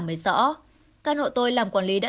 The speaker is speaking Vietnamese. mới rõ căn hộ tôi làm quản lý đã